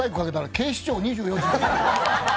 警視庁２４時」。